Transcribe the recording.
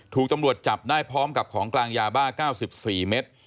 ถูกตำรวจจับได้พร้อมกับของกลางยาบ้า๙๔เมตร